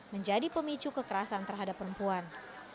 menjadi pemicu kekerasan terhadap perempuan